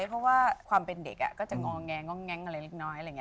เพราะว่าความเป็นเด็กก็จะง้องแงงอะไรเล็กน้อย